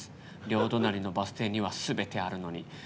両隣のバス停にはすべてあるのに。